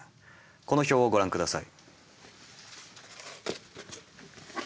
この表をご覧下さい。